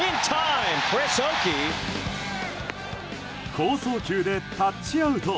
好送球でタッチアウト。